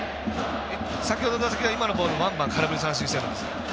先ほどの打席は今のボールワンバン空振り三振してるんです。